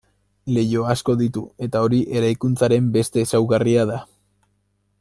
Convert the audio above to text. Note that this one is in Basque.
Leiho asko ditu eta hori eraikuntzaren beste ezaugarria da.